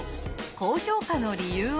高評価の理由は？